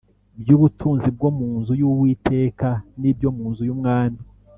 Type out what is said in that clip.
by’ubutunzi bwo mu nzu y’Uwiteka n’ibyo mu nzu y’umwami